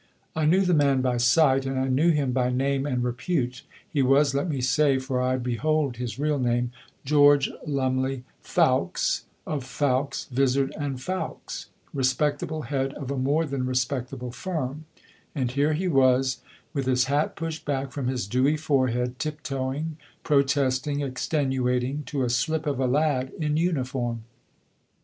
I knew the man by sight, and I knew him by name and repute. He was, let me say for I withhold his real name George Lumley Fowkes, of Fowkes, Vizard and Fowkes, respectable head of a more than respectable firm; and here he was, with his hat pushed back from his dewy forehead, tip toeing, protesting, extenuating to a slip of a lad in uniform.